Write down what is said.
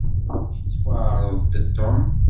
Yettwaɛreḍ-d Tom.